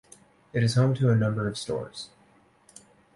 It is home to a number of stores.